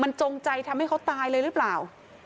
มันจงใจทำให้เขาตายเลยหรือเปล่า